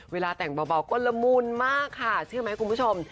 เวลาแต่งเบาก็ละมุนมากค่ะเชื่อไหมคุณผู้ชม